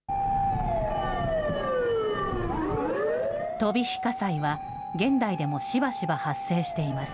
飛び火火災は現代でもしばしば発生しています。